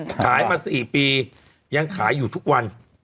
ขายมา๔ปียังขายอยู่ทุกวัน